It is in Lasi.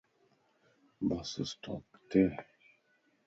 بس اسٽاپ ڪٿي ائي